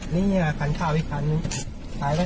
นี่ค่ะขันข้าวอีกครั้งนึงตายแหละ